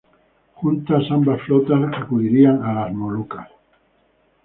Juntas ambas flotas, acudiría a las Molucas.